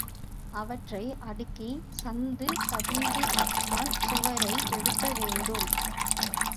அவற்றை அடுக்கிச் சந்து பதிந்துதான் சுவரை எழுப்ப வேண்டும்.